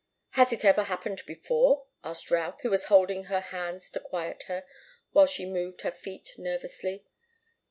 "Has it ever happened before?" asked Routh, who was holding her hands to quiet her, while she moved her feet nervously.